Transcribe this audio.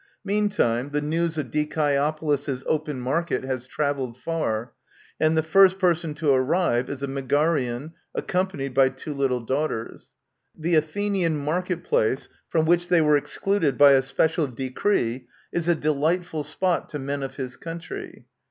Meantime the news of DicKopolis's open market lias travelled far, and the first person to arrive is a Megarian, accompanied by two little daughters. The Athenian market place, from which they were excluded by a special decree, is a delightful spot to men of his country.